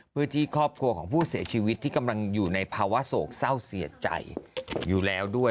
เพื่อที่ครอบครัวของผู้เสียชีวิตที่กำลังอยู่ในภาวะโศกเศร้าเสียใจอยู่แล้วด้วย